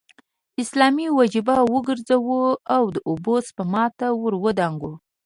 اسلامي وجیبه وګرځو او د اوبو سپما ته ور ودانګو.